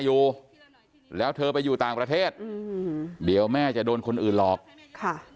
อยู่แล้วเธอไปอยู่ต่างประเทศอืมเดี๋ยวแม่จะโดนคนอื่นหลอกค่ะ